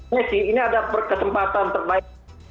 messi ini ada kesempatan terbaik